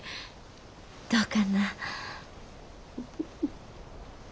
どうかな？